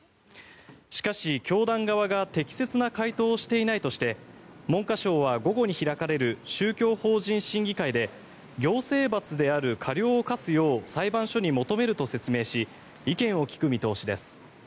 しかし教団側が適切な回答をしていないとして文科省は午後に開かれる宗教法人審議会で行政罰である過料を科すよう裁判所に求めると説明し意見を聞く見通しです。